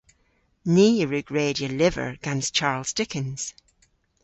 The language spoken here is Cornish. Ni a wrug redya lyver gans Charles Dickens.